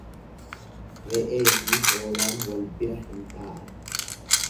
Re'eefi hoolaan wal bira hin taa'an.